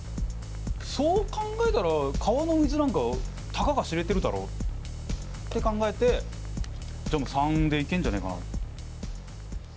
そう考えたら川の水なんかたかが知れてるだろうって考えてじゃもう③でいけんじゃねえかな。